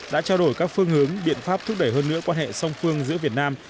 đã trao đổi các phương hướng biện pháp thúc đẩy hơn nữa quan hệ song phương giữa việt nam